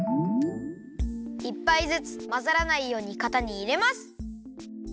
１ぱいずつまざらないようにかたにいれます。